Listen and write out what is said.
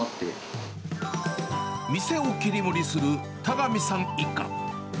店を切り盛りする田上さん一家。